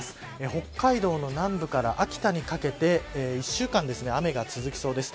北海道の南部から秋田にかけて１週間、雨が続きそうです。